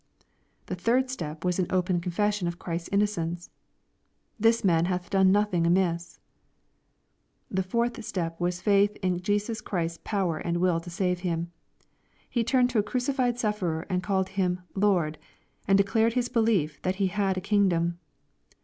— The third step was an open' confession of Christ's innocence. " This man hath done nothing amiss." — The fourth step was faith in Jesus Christ's power and will to save him. He turned to a crucified sufferer, and called Him " Lord," and declared his belief that He had a kingdom.